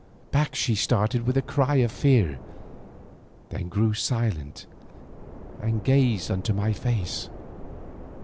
Back she started with a cry of fear, then grew silent and gazed into my face.